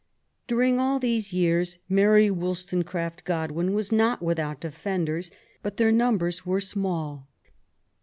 During all these years Mary WoUstonecraf t Godwin was not without defenders, but their number was small.